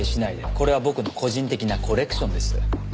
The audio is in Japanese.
これは僕の個人的なコレクションです。